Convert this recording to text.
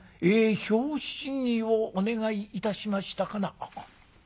拍子木をお願いいたしましたかな」。